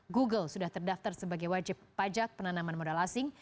google sudah terdaftar sebagai wajib pajak penanaman modal asing